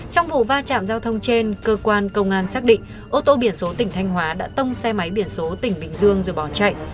trong vụ va chạm giao thông trên cơ quan công an xác định ô tô biển số tỉnh thanh hóa đã tông xe máy biển số tỉnh bình dương rồi bỏ chạy